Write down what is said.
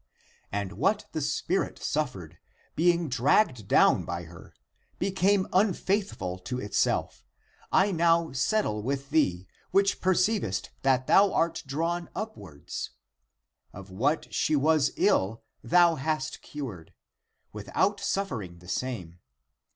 And what the spirit suffered, being dragged down by her, be came unfaithful to itself, I now settle with thee, which perceivest that thou art drawn upwards. Of what she was ill thou hast cured, without suffering the same.